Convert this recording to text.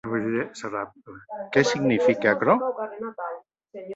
Qué signifique aquerò?